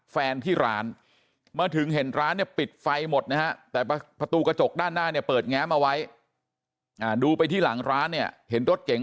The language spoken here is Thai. แฟนที่ร้านมาถึงเห็นร้านปิดไฟหมดนะแต่ประตูกระจกด้าน